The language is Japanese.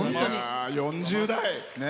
４０代。